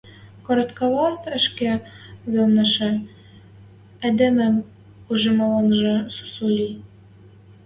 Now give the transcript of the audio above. Коротковат ӹшке велнӹшӹ эдемӹм ужмыланжы сусу ли.